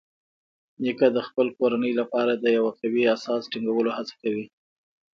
نیکه د خپل کورنۍ لپاره د یو قوي اساس ټینګولو هڅه کوي.